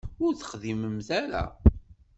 Ur t-texdiment ara.